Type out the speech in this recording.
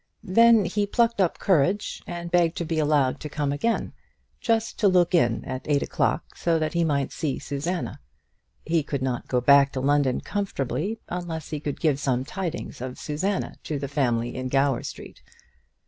Then he plucked up courage and begged to be allowed to come again, just to look in at eight o'clock, so that he might see Susanna. He could not go back to London comfortably, unless he could give some tidings of Susanna to the family in Gower Street.